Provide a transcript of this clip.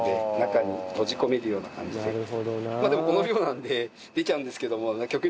まあでもこの量なので出ちゃうんですけども極力。